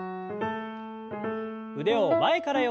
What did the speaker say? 腕を前から横に。